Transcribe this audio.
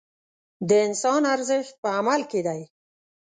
د انسان ارزښت په عمل کې دی.